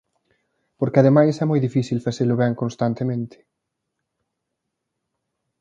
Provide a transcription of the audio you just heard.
Porque ademais é moi difícil facelo ben constantemente.